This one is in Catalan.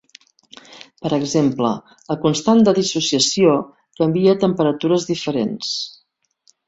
Per exemple, la constant de dissociació canvia a temperatures diferents.